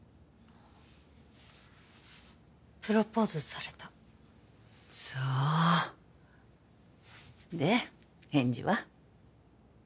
プロポーズされたそうで返事は？